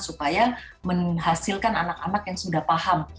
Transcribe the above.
supaya menghasilkan anak anak yang sudah paham